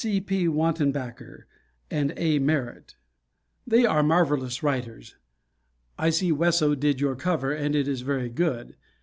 D., C. P. Wantenbacker and A. Merritt? They are marvelous writers. I see Wesso did your cover and it is very good.